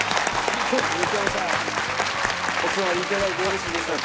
お座り頂いてよろしいでしょうか？